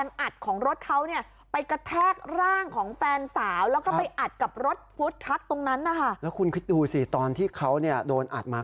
แล้วคุณคิดดูสิตอนที่เขาโดนอัดมา